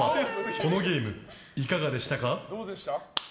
このゲームいかがでしたか？